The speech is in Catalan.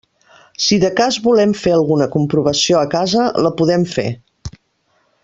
Si de cas volem fer alguna comprovació en casa, la podem fer.